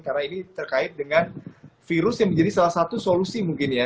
karena ini terkait dengan virus yang menjadi salah satu solusi mungkin ya